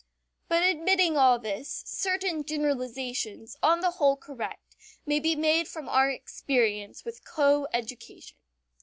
But admitting all this certain generalizations, on the whole correct, may be made from our experience with coeducation.